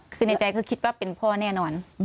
ก็จะมีปืน